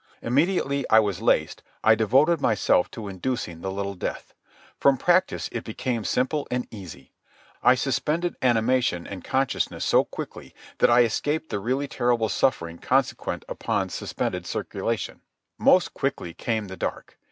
Immediately I was laced I devoted myself to inducing the little death. From practice it became simple and easy. I suspended animation and consciousness so quickly that I escaped the really terrible suffering consequent upon suspending circulation. Most quickly came the dark.